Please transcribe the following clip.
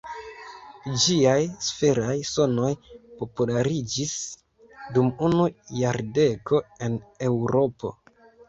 Ĝiaj sferaj sonoj populariĝis dum unu jardeko en Eŭropo.